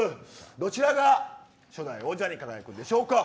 どちらが初代王者に輝くのでしょうか。